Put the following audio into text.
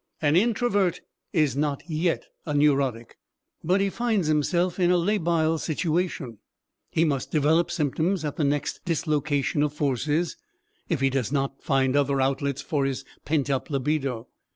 An introvert is not yet a neurotic, but he finds himself in a labile situation; he must develop symptoms at the next dislocation of forces, if he does not find other outlets for his pent up libido.